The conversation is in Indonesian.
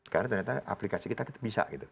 karena ternyata aplikasi kita kita bisa gitu